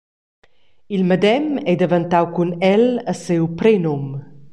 Il medem ei daventau cun el e siu prenum.